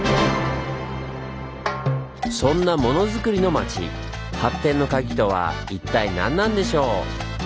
そんなモノづくりの町発展のカギとは一体何なんでしょう？